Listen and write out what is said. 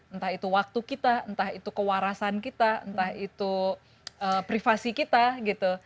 entah itu waktu kita entah itu kewarasan kita entah itu privasi kita gitu